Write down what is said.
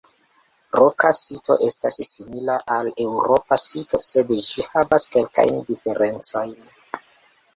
Roka sito estas simila al eŭropa sito sed ĝi havas kelkajn diferencojn.